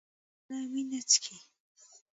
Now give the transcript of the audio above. وسله وینه څښي